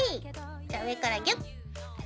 じゃあ上からギュッ。